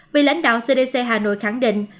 vì lãnh đạo cdc hà nội khẳng định